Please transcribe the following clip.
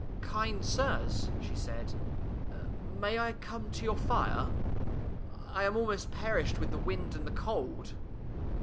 " Kind sirs,'' she said, " may I come to your fii'e? I am almost perished with the wind and the cold."